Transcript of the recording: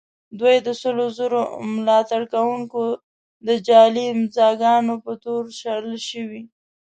دوی د سلو زرو ملاتړ کوونکو د جعلي امضاء ګانو په تور شړل شوي.